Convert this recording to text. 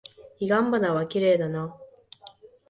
彼岸花はきれいだな。